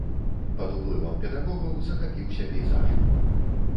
Пад уплывам педагогаў захапіўся пейзажам.